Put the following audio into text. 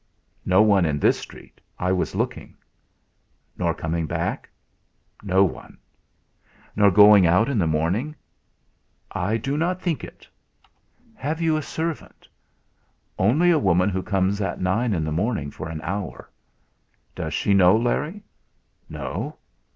"No one in this street I was looking." "Nor coming back?" "No one." "Nor going out in the morning?" "I do not think it." "Have you a servant?" "Only a woman who comes at nine in the morning for an hour." "Does she know Larry?" "No."